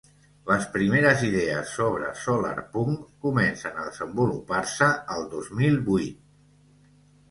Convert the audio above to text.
Les primeres idees sobre solarpunk comencen a desenvolupar-se al dos mil vuit